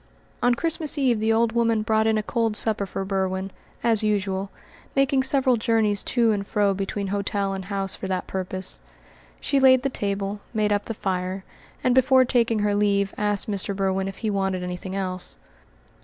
On Christmas Eve the old woman brought in a cold supper for Berwin, as usual, making several journeys to and fro between hotel and house for that purpose. She laid the table, made up the fire, and before taking her leave asked Mr. Berwin if he wanted anything else.